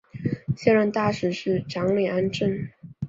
现任大使是长岭安政。